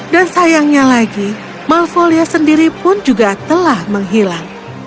dan sayangnya lagi malfolia sendiri pun juga telah menghilang